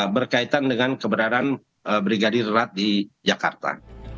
berkaitan dengan keberaran brigadir r a t di jakarta